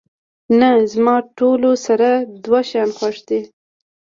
نه، زما ټول سره دوه شیان خوښ دي.